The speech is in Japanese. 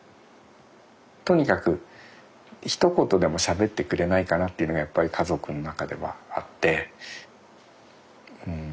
とにかくひと言でもしゃべってくれないかなっていうのがやっぱり家族の中ではあってうん。